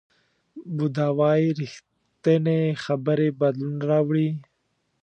بودا وایي ریښتینې خبرې بدلون راوړي.